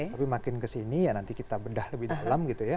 tapi makin kesini ya nanti kita bedah lebih dalam gitu ya